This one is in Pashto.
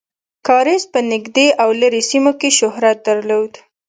کاریز په نږدې او لرې سیمو کې شهرت درلود.